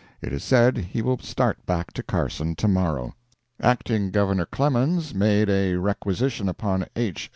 It is said he will start back to Carson to morrow. Acting Governor Clemens made a requisition upon H.